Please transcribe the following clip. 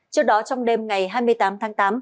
trước đó trong đêm ngày hai mươi tám tháng tám